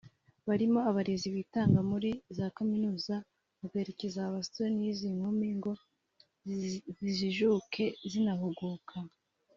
barimo abarezi bitanga muri za Kaminuza bagaherekeza aba basore n’izi nkumi ngo zijijuke zinahuguka